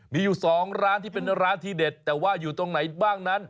มีอยู่๒ร้านที่เป็นร้านที่เด็ดแต่ว่าอยู่ตรงไหนบ้างนั้น